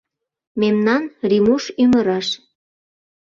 Мемнан Римуш ӱмыраш!